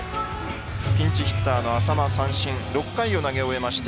ピンチヒッターの淺間、三振６回を投げ終えました。